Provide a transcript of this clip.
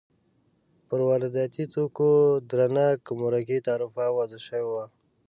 پر وارداتي توکو درنه ګمرکي تعرفه وضع شوې وه.